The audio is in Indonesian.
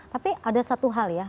tapi ada satu hal ya